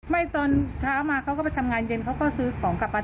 ตอนเช้ามาเขาก็ไปทำงานเย็นเขาก็ซื้อของกลับมา